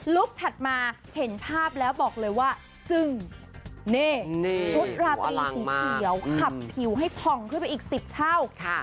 ถัดมาเห็นภาพแล้วบอกเลยว่าจึ้งนี่ชุดราตรีสีเขียวขับผิวให้ผ่องขึ้นไปอีก๑๐เท่า